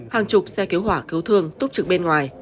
hàng chục xe cứu hỏa cứu thương túc trực bên ngoài